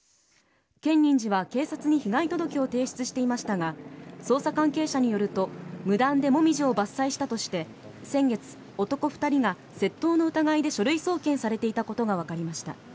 建仁寺は警察に被害届を提出していましたが捜査関係者によると無断でモミジを伐採したとして先月、男２人が窃盗の疑いで書類送検されていたことが分かりました。